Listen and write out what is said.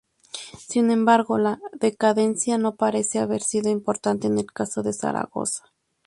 Sin embargo, la decadencia no parece haber sido importante en el caso de Zaragoza.